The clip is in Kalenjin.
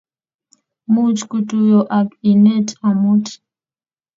Much kotuyo ak inet amut